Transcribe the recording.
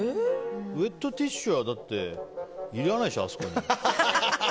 ウェットティッシュはいらないでしょ、あそこに。